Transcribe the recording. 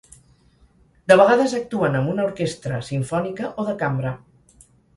De vegades actuen amb una orquestra simfònica o de cambra.